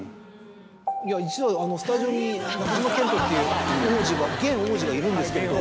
実はスタジオに中島健人っていう王子が現王子がいるんですけど。